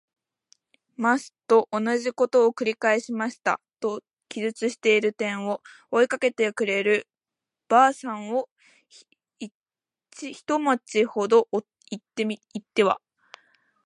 ます。」とおなじことを「くり返していた。」と記述している点を、追いかけてくる婆さんを一町ほど行っては